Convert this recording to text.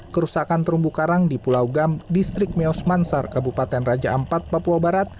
kerusakan terumbu karang di pulau gam distrik meos mansar kabupaten raja ampat papua barat